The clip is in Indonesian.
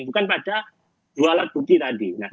bukan pada dua alat bukti tadi